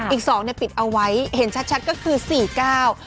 อีก๒ปิดเอาไว้เห็นชัดก็คือ๔ก้าว